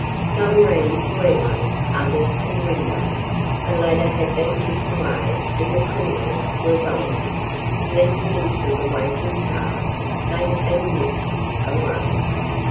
Some ran to Elaine, others to the window. The ladder had been kicked away and the criminals were gone. Leaping into the waiting car, they had been whisked away.